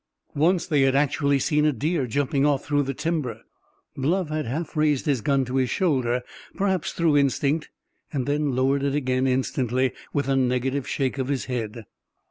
Once they had actually seen a deer jumping off through the timber. Bluff had half raised his gun to his shoulder, perhaps through instinct, and then lowered it again instantly, with a negative shake of his head.